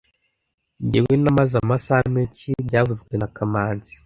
Njyewe namaze amasaha menshi byavuzwe na kamanzi